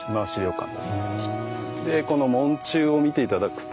でこの門柱を見て頂くと。